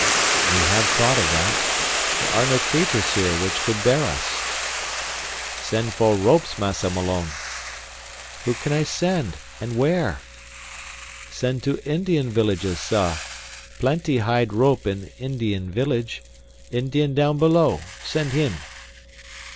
"We have thought of that. There are no creepers here which could bear us." "Send for ropes, Massa Malone." "Who can I send, and where?" "Send to Indian villages, sah. Plenty hide rope in Indian village. Indian down below; send him."